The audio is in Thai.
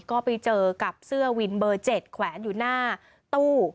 ก็ไปเจอกับเสื้อวินเบอร์๗แขวนอยู่หน้าตู้